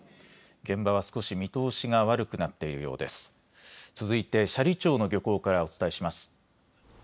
現場は少し見通しが悪くなっているようです。